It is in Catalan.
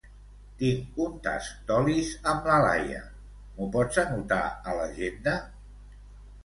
Tinc un tast d'olis amb la Laia; m'ho pots anotar a l'agenda?